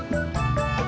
gak ada de